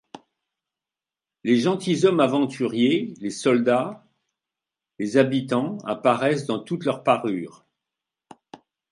Les 'gentilshommes aventuriers, ' les soldats, le habitants, apparaissent dans toute leur parure.